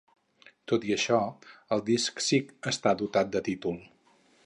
Tot i això el disc sí que està dotat de títol: